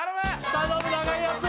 頼む長いやつ